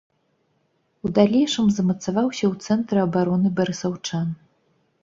У далейшым замацаваўся ў цэнтры абароны барысаўчан.